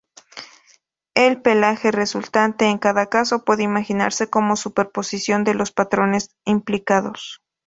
El pelaje resultante, en cada caso, puede imaginarse como superposición de los patrones implicados.